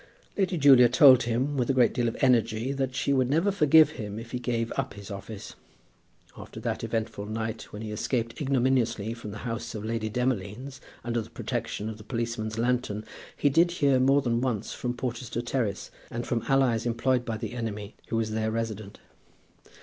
Lady Julia told him, with a great deal of energy, that she would never forgive him if he gave up his office. After that eventful night when he escaped ignominiously from the house of Lady Demolines under the protection of the policeman's lantern, he did hear more than once from Porchester Terrace, and from allies employed by the enemy who was there resident.